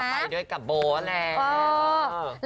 ก็ไปด้วยกับโบว์แหละ